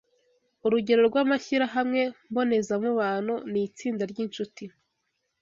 Urugero rwamashyirahamwe mbonezamubano ni itsinda ryinshuti